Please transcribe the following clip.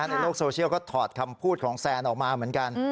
ในโลกโซเชียลก็ถอดคำพูดของแซนออกมาเหมือนกัน